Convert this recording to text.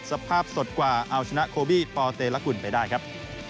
สภาพสดกว่าเอาชนะโคบี้ปเตรกุลไปได้ครับ